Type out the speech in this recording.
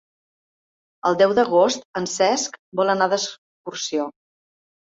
El deu d'agost en Cesc vol anar d'excursió.